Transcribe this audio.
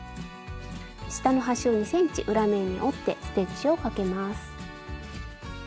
下の端を２ｃｍ裏面に折ってステッチをかけます。